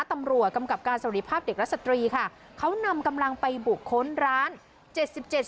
ตำรวจกำกับการสวัสดีภาพเด็กและสตรีค่ะเขานำกำลังไปบุกค้นร้านเจ็ดสิบเจ็ด